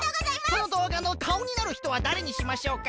そのどうがのかおになるひとはだれにしましょうか？